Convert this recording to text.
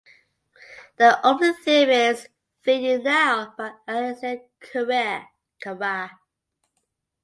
The opening theme is "Feel You Now" by Alessia Cara.